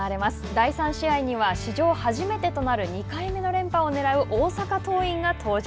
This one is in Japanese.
第３試合には史上初めてとなる２回目の連覇をねらう大阪桐蔭が登場。